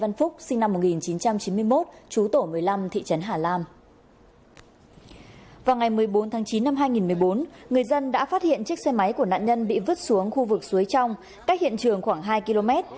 năm hai nghìn một mươi bốn người dân đã phát hiện chiếc xe máy của nạn nhân bị vứt xuống khu vực suối trong cách hiện trường khoảng hai km